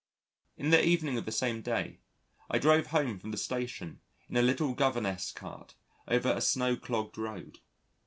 In the evening of the same day, I drove home from the Station in a little governess cart, over a snow clogged road.